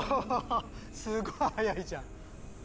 すごい速いじゃん。